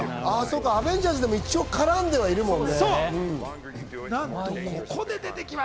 『アベンジャーズ』でも一応絡んでるもんね。